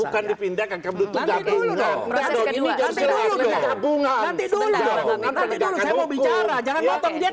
akan dipindahkan kebutuhan keduanya untuk nanti dulu nanti dulu saya mau bicara jangan ngomong dia